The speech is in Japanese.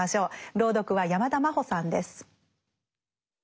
朗読は山田真歩さんです。